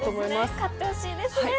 勝ってほしいですね。